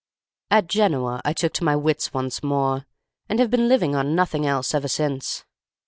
"At Genoa I took to my wits once more, and have been living on nothing else ever since.